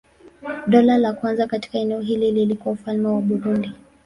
Dola la kwanza katika eneo hili lilikuwa Ufalme wa Burundi.